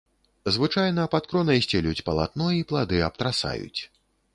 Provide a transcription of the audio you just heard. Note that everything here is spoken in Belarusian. Звычайна пад кронай сцелюць палатно і плады абтрасаюць.